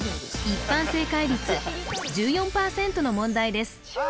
一般正解率１４％の問題です